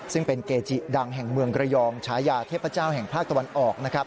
ซึ่งเป็นเกจิดังแห่งเมืองระยองฉายาเทพเจ้าแห่งภาคตะวันออกนะครับ